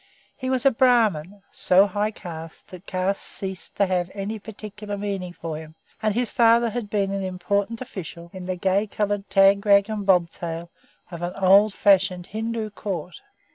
He was a Brahmin, so high caste that caste ceased to have any particular meaning for him; and his father had been an important official in the gay coloured tag rag and bobtail of an old fashioned Hindu Court.